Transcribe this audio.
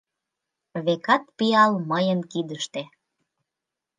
Векат, пиал — мыйын кидыште.